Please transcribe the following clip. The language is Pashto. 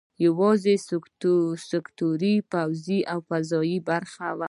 یوازینی سکتور پوځي او فضايي برخه وه.